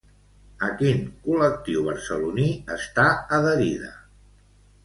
A quin col·lectiu barceloní està adherida?